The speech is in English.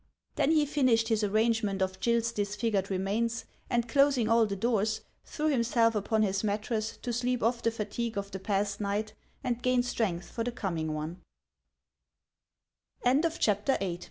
Then lie finished his arrangement of Gill's disfigured remains, and closing all the doors, threw himself upon his mattress to sleep off the fatigue of the past night and <rain strength for the comin" one.